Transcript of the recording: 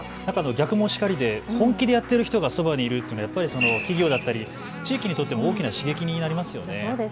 逆もしかりで本気でやっている人がそばにいるっていうのは企業だったり地域にとっても大きな刺激になりますよね。